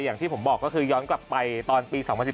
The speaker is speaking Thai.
อย่างที่ผมบอกก็คือย้อนกลับไปตอนปี๒๐๑๘